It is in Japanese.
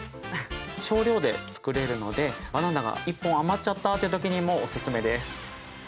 少量で作れるので「バナナが１本余っちゃった」ってときにもおすすめです。